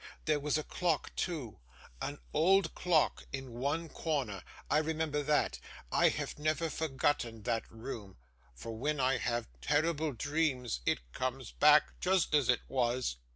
There was a clock too, an old clock, in one corner. I remember that. I have never forgotten that room; for when I have terrible dreams, it comes back, just as it was.